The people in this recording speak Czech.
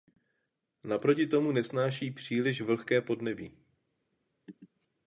Naproti tomu nesnáší příliš vlhké podnebí.